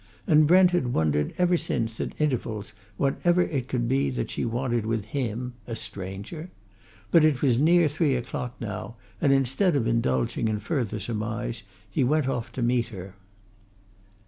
And Brent had wondered ever since, at intervals, whatever it could be that she wanted with him a stranger? But it was near three o'clock now, and instead of indulging in further surmise, he went off to meet her.